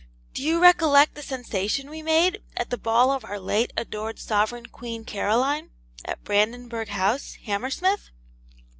do you recollect the sensation we made at the ball of our late adored Sovereign Queen Caroline, at Brandenburg House, Hammersmith?)